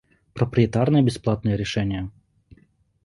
Проприетарное бесплатное решение